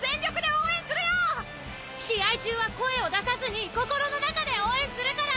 試合中は声を出さずに心の中で応援するから。